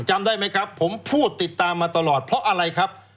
จำได้ไหมครับผมพูดติดตามมาตลอดเพราะอะไรครับ